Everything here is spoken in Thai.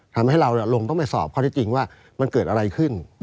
ทำให้เราลงต้องไปสอบข้อที่จริงว่ามันเกิดอะไรขึ้น